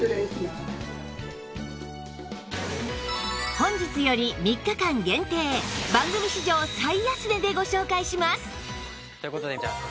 本日より３日間限定番組史上最安値でご紹介します！